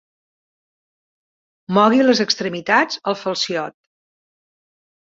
Mogui les extremitats el falziot.